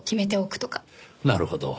なるほど。